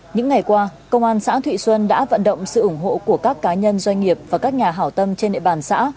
những ngày qua công an xã thụy xuân đã vận động sự ủng hộ của các cá nhân doanh nghiệp và các nhà hảo tâm trên địa bàn xã